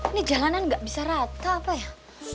ini jalanan nggak bisa rata apa ya